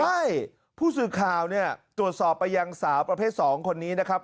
ใช่ผู้สื่อข่าวเนี่ยตรวจสอบไปยังสาวประเภท๒คนนี้นะครับ